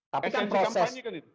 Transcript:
tapi kan proses